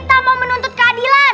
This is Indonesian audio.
kita mau menuntut keadilan